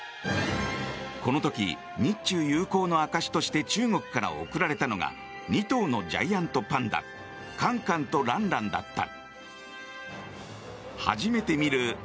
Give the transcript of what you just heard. この時、日中友好の証しとして中国から贈られたのが２頭のジャイアントパンダカンカンとランランだった。